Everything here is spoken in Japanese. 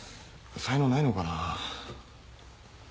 才能ないのかなぁ。